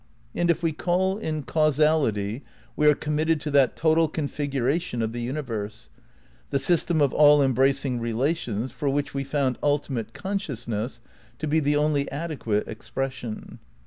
And if we call in causality we are com mitted to that "total configuration of the universe," the system of all embracing relations, for which we found ultimate consciousness to be the only adequate expression.